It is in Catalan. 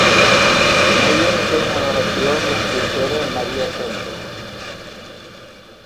Meyer té una relació amb l'escriptora Maria Semple.